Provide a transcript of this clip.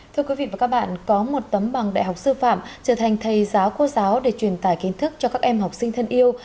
thưa quý vị và các bạn có một tấm bằng đại học sư phạm trở thành thầy giáo cô giáo để truyền tải kiến thức cho các em học sinh thân yêu